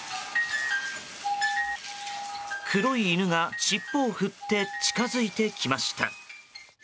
黒い犬が、しっぽを振って近づいてきました。